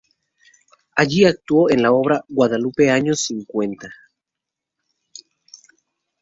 Allí actuó en la obra "Guadalupe años sin cuenta".